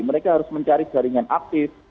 mereka harus mencari jaringan aktif